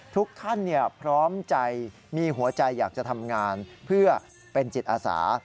ทุกท่านพร้อมใจมีหัวใจอยากจะทำงานเพื่อเป็นจิตอาสา